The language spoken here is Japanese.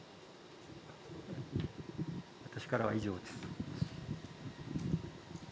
私からは以上です。